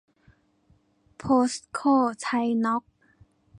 โพสโค-ไทยน๊อคซ์